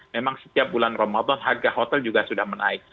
memang setiap bulan ramadan harga hotel juga sudah menaik